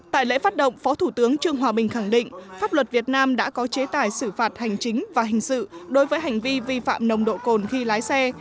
tại lễ phát động phó thủ tướng trương hòa bình khẳng định pháp luật việt nam đã có chế tài xử phạt hành chính và hình sự đối với hành vi vi phạm nồng độ cồn khi lái xe